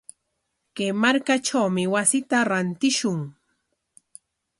Kay markatrawmi wasita rantishun.